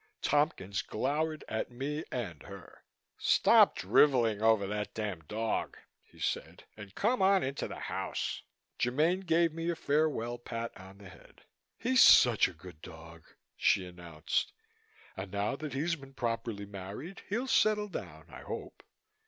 Tompkins glowered at me and her. "Stop driveling over that damn dog," he said, "and come on into the house." Germaine gave me a farewell pat on the head. "He's such a good dog," she announced, "and now that he's been properly married he'll settle down, I hope.